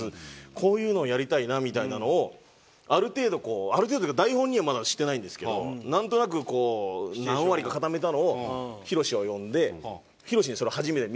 こういうのをやりたいなみたいなのをある程度こうある程度っていうか台本にはまだしてないんですけどなんとなくこう何割か固めたのを博を呼んで博にそれを初めて見せて